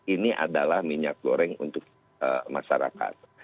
ini adalah minyak goreng untuk masyarakat